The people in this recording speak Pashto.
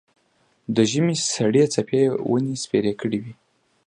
د ژمي سړې څپې یې ونې سپېرې کړې وې.